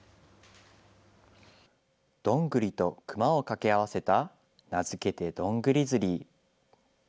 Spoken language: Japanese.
どんぐりとクマを掛け合わせた名付けてドングリズリー。